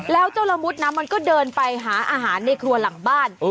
แล้วเจ้าละมุดนะมันก็เดินไปหาอาหารในครัวหลังบ้าน